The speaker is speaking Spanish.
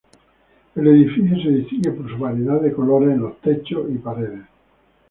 El edificio se distingue por su variedad de colores en los techos y paredes.